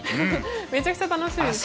めちゃくちゃ楽しみですね。